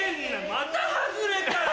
また外れかよ！